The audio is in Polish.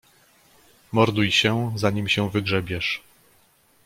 "Morduj się, zanim się wygrzebiesz!"